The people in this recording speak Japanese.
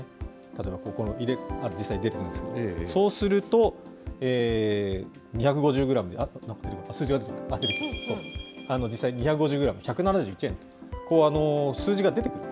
例えば、ここに実際出てくるんですけれども、そうすると、２５０グラムという数字が出てくる、実際２５０グラム、１７１円と、数字が出てくる。